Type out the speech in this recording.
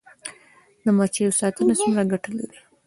د مچیو ساتنه څومره ګټه لري؟